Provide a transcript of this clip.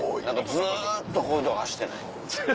ずっとこういう道路走ってない？